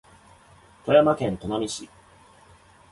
富山県砺波市